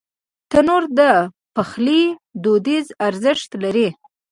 تنور د پخلي دودیز ارزښت لري